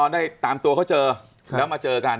ได้ตามตัวเขาเจอแล้วมาเจอกัน